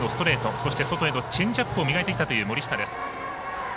そして、外へのチェンジアップを磨いてきた森下。